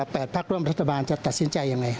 ๘พักร่วมรัฐบาลจะตัดสินใจยังไง